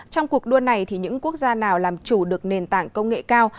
trong cuộc đua này thì những quốc gia nào làm chủ được nền tảng công nghệ cao